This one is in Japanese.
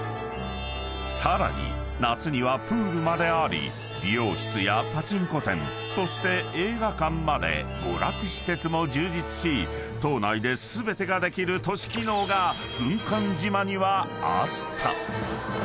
［さらに夏にはプールまであり美容室やパチンコ店そして映画館まで娯楽施設も充実し島内で全てができる都市機能が軍艦島にはあった］